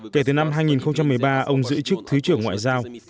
kể từ năm hai nghìn một mươi ba ông giữ chức thứ trưởng ngoại giao